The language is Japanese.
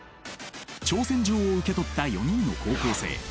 挑戦状を受け取った４人の高校生。